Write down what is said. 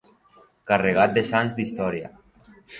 Carregat de sants d'història.